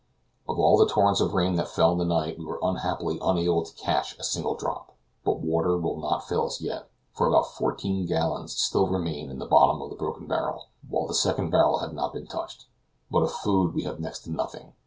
Of all the torrents of rain that fell in the night we were unhappily unable to catch a single drop; but water will not fail us yet, for about fourteen gallons still remain in the bottom of the broken barrel, while the second barrel has not been touched. But of food we have next to nothing.